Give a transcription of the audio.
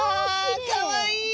かわいい！